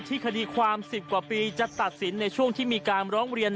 คดีความ๑๐กว่าปีจะตัดสินในช่วงที่มีการร้องเรียน